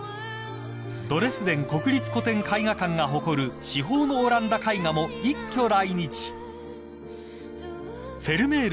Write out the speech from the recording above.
［ドレスデン国立古典絵画館が誇る至宝のオランダ絵画も一挙来日］